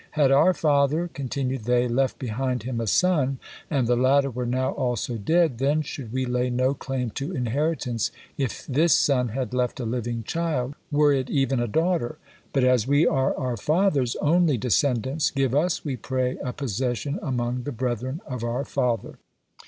"Had our father," continued they, "left behind him a son, and the latter were now also dead, then should we lay no claim to inheritance if this son had left a living child, were it even a daughter; but as we are our father's only descendants, give us, we pray, 'a possession among the brethren of our father.'"